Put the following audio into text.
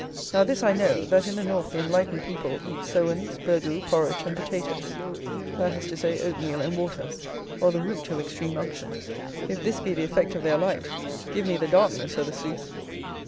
Now this I know, that in the North the "enlightened" people eat sowens, burgoo, porridge, and potatoes: that is to say, oatmeal and water, or the root of extreme unction. If this be the effect of their light, give me the darkness "o' th a Sooth."